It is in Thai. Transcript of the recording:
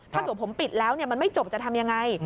ถ้าเกิดผมปิดแล้วมันไม่จบจะทำยังไง